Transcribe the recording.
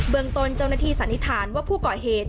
ตนเจ้าหน้าที่สันนิษฐานว่าผู้ก่อเหตุ